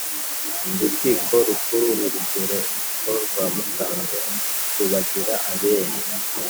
urukiko rukuru, urugereko rwa musanze rubagira abere